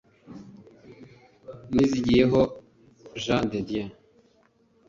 Nizigiyeho Jean de Dieu